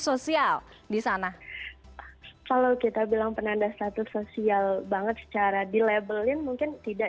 sosial di sana kalau kita bilang penanda status sosial banget secara dilabelin mungkin tidak